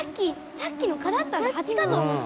さっきの蚊だったんだハチかと思った。